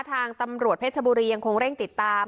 ทางตำรวจเพชรบุรียังคงเร่งติดตาม